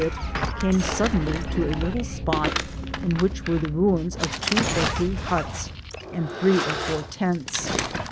13$ it» came suddenly to a little spot» in which wer^ the ruins of two ot three huts, and three pr four tents.